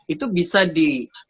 itu bisa direalisasikan